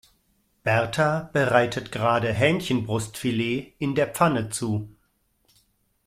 Berta bereitet gerade Hähnchenbrustfilet in der Pfanne zu.